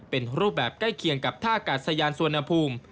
เป็นรูปแบบใกล้เคียงกับท่ากาศยานสุวรรณภูมิ